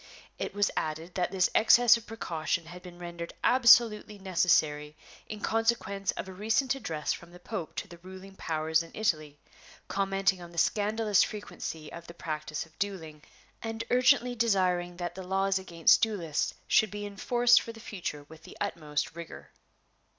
It was added that this excess of precaution had been rendered absolutely necessary in consequence of a recent address from the Pope to the ruling powers in Italy commenting on the scandalous frequency of the practice of dueling, and urgently desiring that the laws against duelists should be enforced for the future with the utmost rigor.